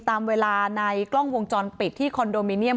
ตามเวลาในกล้องวงจรปิดที่คอนโดมิเนียม